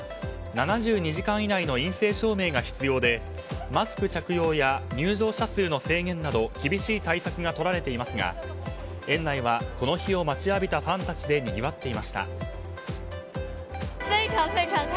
７２時間以内の陰性証明が必要でマスク着用や入場者数の制限など厳しい対策がとられていますが園内はこの日を待ちわびたファンたちでにぎわっていました。